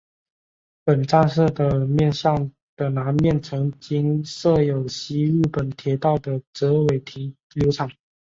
本站舍的面向的南面曾经设有西日本铁道的折尾停留场。